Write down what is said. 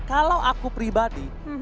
kalau aku pribadi